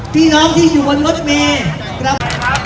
พี่น้องที่อยู่บนรถแมว